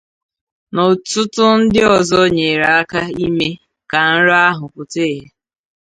na ọtụtụ ndị ọzọ nyere aka ime ka nrọ ahụ pụta ìhè